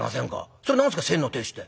それ何すか先の亭主って。